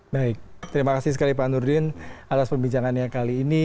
baik terima kasih sekali pak nurdin atas pembicaraannya kali ini